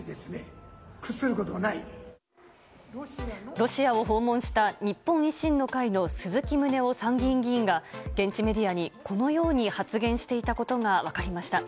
ロシアを訪問した日本維新の会の鈴木宗男参議院議員が現地メディアに、このように発言していたことが分かりました。